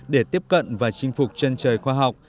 để tiếp cận và chinh phục chân trời khoa học